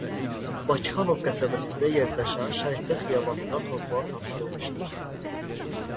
Bakıxanov qəsəbəsində yerləşən Şəhidlər Xiyabanında torpağa tapşırılmışdır.